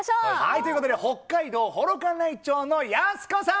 ということで、北海道幌加内町のやす子さん。